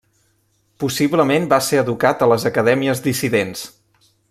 Possiblement va ser educat a les Acadèmies Dissidents.